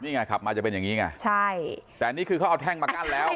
นี่ไงขับมาจะเป็นอย่างงี้ไงใช่แต่นี่คือเขาเอาแท่งมากั้นแล้ว